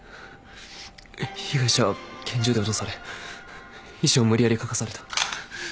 被害者は拳銃で脅され遺書を無理やり書かされた。